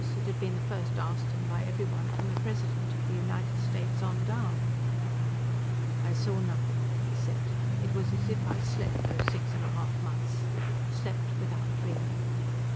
It had been the first asked him by everyone from the president of the United States on down. "I saw nothing," he said. "It was as if I slept those six and a half months slept without dreaming."